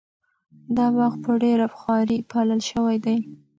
دا باغ په ډېره خواري پالل شوی دی.